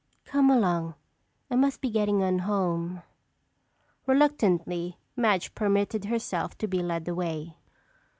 Come along. I must be getting on home." Reluctantly, Madge permitted herself to be led away.